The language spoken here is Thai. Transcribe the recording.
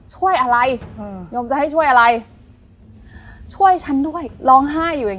ช่วยอะไรอืมโยมจะให้ช่วยอะไรช่วยฉันด้วยร้องไห้อยู่อย่าง